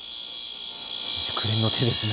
熟練の手ですね。